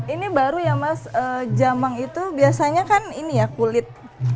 ini baru ya mas jamang itu biasanya kan ini ya kulit